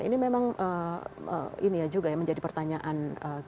ini memang menjadi pertanyaan